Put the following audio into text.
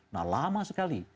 nah lama sekali